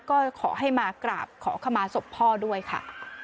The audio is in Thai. ก็ขอให้มากราบขอขมาศพพ่อด้วยค่ะ